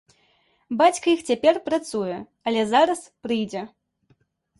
Бацька іх цяпер працуе, але зараз прыйдзе.